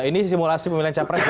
ini simulasi pemilihan capres